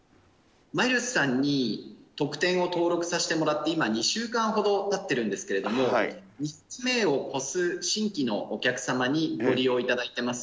マイルズさんに特典を登録させてもらって、今２週間ほどたってるんですけれども、２００名を超す新規のお客様にご利用いただいております。